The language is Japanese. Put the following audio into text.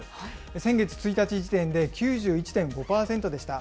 先月１日時点で９１．５％でした。